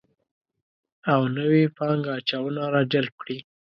او نوې پانګه اچونه راجلب کړي